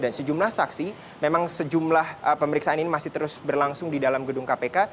sejumlah saksi memang sejumlah pemeriksaan ini masih terus berlangsung di dalam gedung kpk